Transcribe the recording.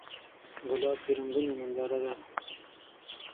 ګلاب د رنګونو ننداره ده.